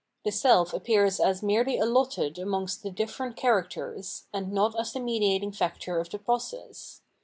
The self appears as merely allotted amongst the different characters, and not as the mediating factor of the process.